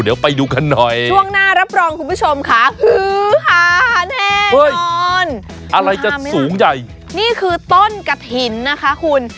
เดี๋ยวไปดูกันหน่อยช่วงหน้ารับรองคุณผู้ชมค่ะฮือหาแน่นอะไรจะสูงใหญ่นี่คือต้นกะถิ่นนะคะคุณ